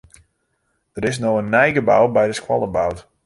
Der is no in nij gebou by de skoalle boud.